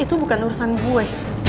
itu bukan urusan gue